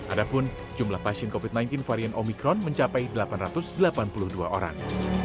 adapun jumlah pasien covid sembilan belas varian omikron mencapai delapan ratus delapan puluh dua orang